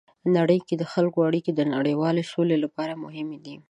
نړۍ کې د خلکو اړیکې د نړیوالې سولې لپاره مهمې دي.